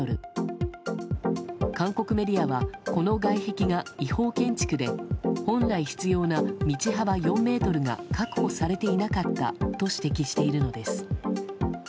韓国メディアはこの外壁が違法建築で本来必要な道幅４ｍが確保されていなかったと指摘しているのです。